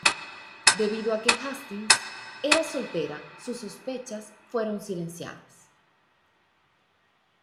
Debido a que Hastings era soltera, sus sospechas fueron silenciadas.